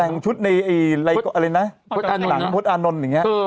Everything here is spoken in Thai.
แข็งชุดในไอหล่ะอะไรนะสถานีหน่อยแหล่งพตอานนทร์ได้ไง